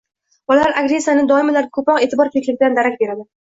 Bolalar agressiyasi doimo ularga ko‘proq eʼtibor kerakligidan darak beradi.